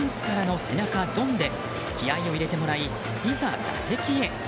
打撃コーチにダンスからの背中ドンで気合を入れてもらい、いざ打席へ。